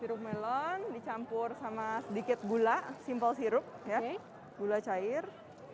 sirup melon dicampur sama sedikit gula simple sirup gula cair